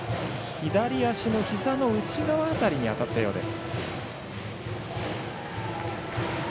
左足のひざの内側辺りに当たったようです。